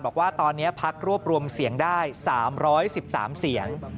บอกว่าตอนนี้พักรวบรวมเสียงได้๓๑๓เสียง